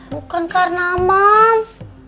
bukan karena moms